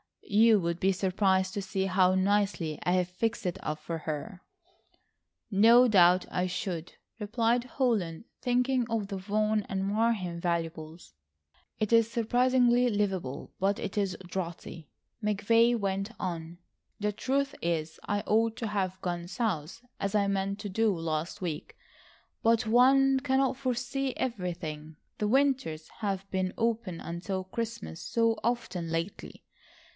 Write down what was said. You would be surprised to see how nicely I've fixed it up for her." "No doubt I should," replied Holland, thinking of the Vaughan and Marheim valuables. "It is surprisingly livable, but it is draughty," McVay went on. "The truth is I ought to have gone south, as I meant to do last week. But one cannot foresee everything. The winters have been open until Christmas so often lately.